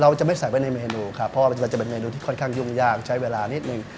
เราจะไม่ใส่ไว้ในเมนูครับเพราะว่าเราจะเป็นเมนูที่ค่อนข้างยุ่งยากใช้เวลานิดนึง